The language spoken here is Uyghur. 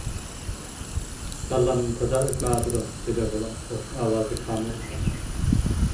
-كاللامدىن تازا ئۆتمەيۋاتىدۇ دېدى غۇلام بوش ئاۋازدا كامىلغا قاراپ.